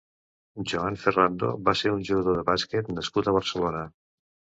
Joan Ferrando va ser un jugador de bàsquet nascut a Barcelona.